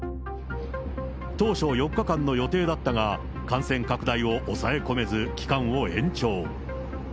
当初４日間の予定だったが、感染拡大を抑え込めず、期間を延長。